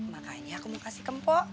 makanya aku mau kasih kempok